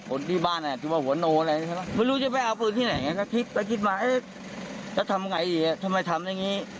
คนที่บ้านเตี่ยวมหัวโน่นะไปถึงกิดจะทำไงทำไมทำแบบนี้